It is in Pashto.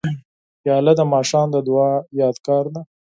پیاله د ماښام د دعا یادګار ده.